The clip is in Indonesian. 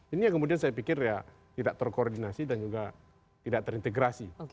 ini yang kemudian saya pikir ya tidak terkoordinasi dan juga tidak terintegrasi